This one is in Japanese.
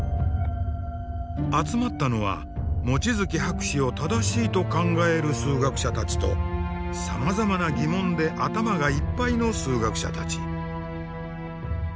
集まったのは望月博士を正しいと考える数学者たちとさまざまな疑問で頭がいっぱいの数学者たち。